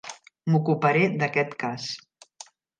M'ocuparé d'aquest cas.